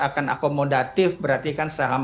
akan akomodatif berarti kan saham